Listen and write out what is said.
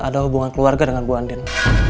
ada hubungan keluarga dengan bu andin